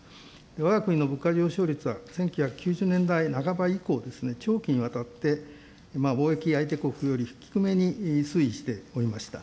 わが国の物価上昇率は、半ば以降、長期にわたって、貿易相手国より低めに推移しておりました。